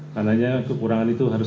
karena kekurangan itu harus